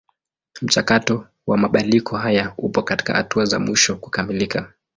Mchakato wa mabadiliko haya upo katika hatua za mwisho kukamilika.